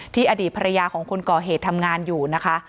อดีตภรรยาของคนก่อเหตุทำงานอยู่นะคะ